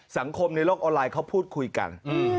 สังคมในโลกออนไลน์เขาพูดคุยกัน